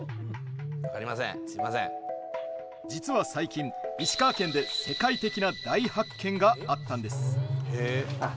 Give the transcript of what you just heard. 実は最近、石川県で世界的な大発見があったんです。